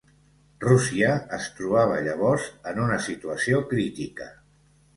Rússia es trobava llavors en una situació crítica.